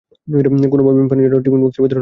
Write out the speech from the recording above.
কোনোভাবেই পানি যেন টিফিন বাক্সের ভেতরে না ঢোকে।